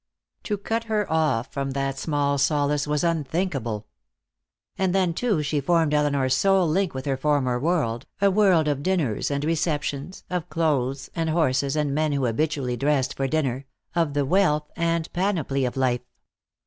To cut her off from that small solace was unthinkable. And then too she formed Elinor's sole link with her former world, a world of dinners and receptions, of clothes and horses and men who habitually dressed for dinner, of the wealth and panoply of life.